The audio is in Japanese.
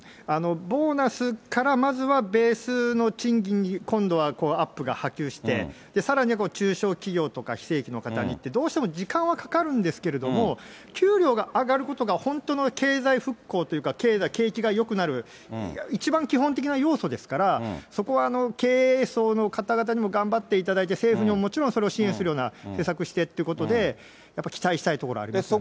ボーナスから、まずはベースの賃金に今度はアップが波及して、さらには中小企業とか、非正規の方にって、どうしても時間はかかるんですけれども、給料が上がることが本当の経済復興というか、景気がよくなる、一番基本的な要素ですから、そこは経営層の方々にも頑張っていただいて、政府にももちろんそれを支援するような施策してっていうことで、やっぱ期待したいところ、ありますね。